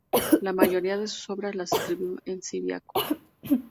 La mayoría de sus obras las escribió en siríaco.